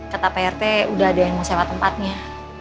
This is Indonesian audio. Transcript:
kata pak rt udah ada yang mau sewa tempatnya